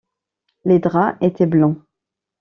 Les draps étaient blancs.